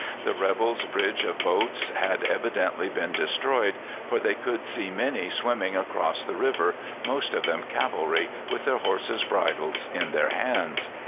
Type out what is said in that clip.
The rebels' bridge of boats had evidently been destroyed, for they could see many swimming across the river, most of them cavalry, with their horses' bridles in their hands.